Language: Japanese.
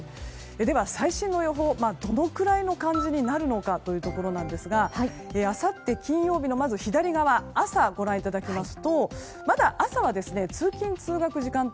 では最新の予報どのくらいの感じになるのかということですがあさって金曜日の朝をご覧いただきますとまだ朝は通勤・通学時間帯